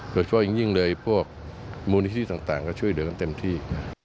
โดยที่ว่าอังนึงเลยพวกมูลนิถสิ่งต่างก็ช่วยกันเต็มที่